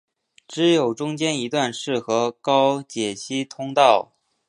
只有中间一段适合高解析通道。